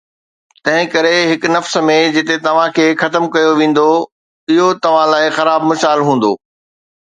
تنهن ڪري هڪ نفس ۾، جتي توهان کي ختم ڪيو ويندو، اهو توهان لاء خراب مثال هوندو